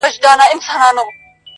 o د شداد او د توبې یې سره څه,